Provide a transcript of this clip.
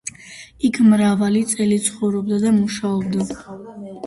იქ მრავალი წელი ცხოვრობდა და მუშაობდა.